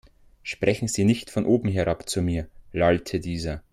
Sprechen Sie nicht von oben herab zu mir, lallte dieser.